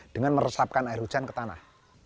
dengan meresapkan air hujan ke tanah